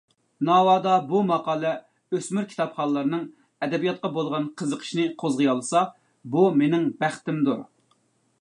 ناۋادا بۇ ماقالە ئۆسمۈر كىتابخانلارنىڭ ئەدەبىياتقا بولغان قىزىقىشىنى قوزغىيالىسا، بۇ مېنىڭ بەختىمدۇر.